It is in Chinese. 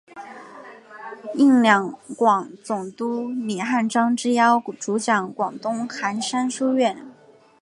应两广总督李瀚章之邀主讲广东韩山书院。